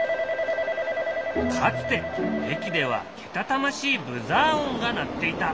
かつて駅ではけたたましいブザー音が鳴っていた。